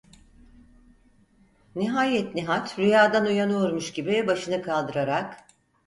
Nihayet Nihat rüyadan uyanıyormuş gibi başını kaldırarak: